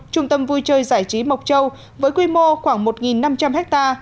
trung tâm vui chơi giải trí mộc châu với quy mô khoảng một năm trăm linh ha